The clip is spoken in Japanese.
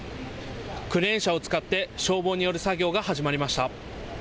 クレーン車を使って消防による作業が始まりました。